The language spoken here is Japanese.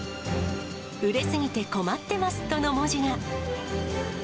売れ過ぎて困ってますとの文字が。